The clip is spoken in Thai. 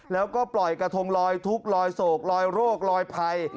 แล้วก็ปล่อยกระทงลอยทุกข์ลอยโศกลอยโรคลอยภัย